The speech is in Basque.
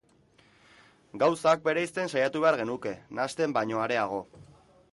Gauzak bereizten saiatu behar genuke, nahasten baino areago.